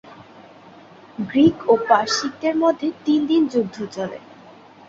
Greek ও পারসিকদের মধ্যে তিন দিন যুদ্ধ চলে।